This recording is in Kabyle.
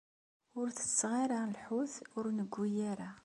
Ur tetteɣ ara lḥut ur newwi ara.